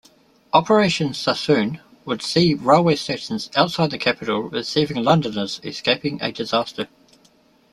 Operation Sassoon would see railway stations outside the capital receiving Londoners escaping a disaster.